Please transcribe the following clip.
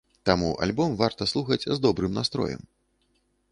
Таму альбом варта слухаць з добрым настроем.